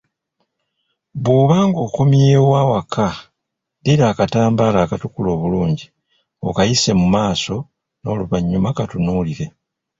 Bw'obanga okomyewo awaka, ddira akatambaala akatukula obulungi, okayise mu maaso, n'oluvannyuma katunuulire.